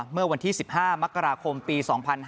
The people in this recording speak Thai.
เมื่อวันที่๑๕มกราคมปี๒๕๕๙